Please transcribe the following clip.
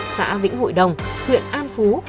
xã vĩnh hội đồng huyện an phú